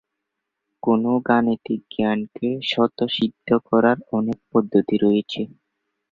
কোন গাণিতিক জ্ঞানকে স্বতঃসিদ্ধ করার অনেক পদ্ধতি রয়েছে।